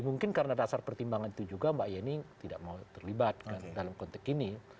mungkin karena dasar pertimbangan itu juga mbak yeni tidak mau terlibat dalam konteks ini